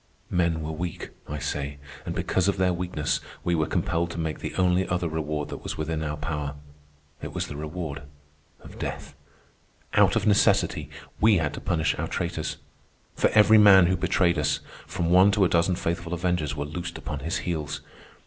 Men were weak, I say, and because of their weakness we were compelled to make the only other reward that was within our power. It was the reward of death. Out of necessity we had to punish our traitors. For every man who betrayed us, from one to a dozen faithful avengers were loosed upon his heels.